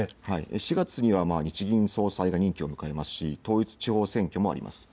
４月には日銀総裁が任期を迎えますし、統一地方選挙もあります。